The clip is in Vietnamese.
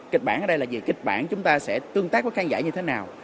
kịch bản ở đây là gì kịch bản chúng ta sẽ tương tác với khán giả như thế nào